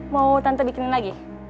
mau tante bikinin lagi